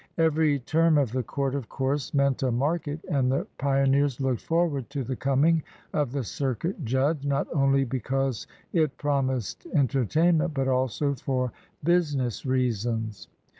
Every term of the court, of course, meant a market ; and the pioneers looked forward to the coming of the circuit judge, not only be cause it promised entertainment, but also for business reasons.